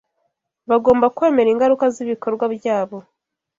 Bagomba kwemera ingaruka z’ibikorwa byabo